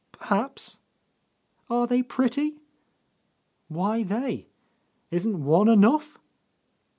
"Perhaps." "Are they pretty?" "Why they? Isn't one enough?"